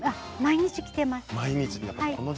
毎日、着ています。